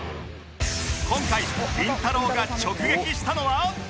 今回りんたろー。が直撃したのは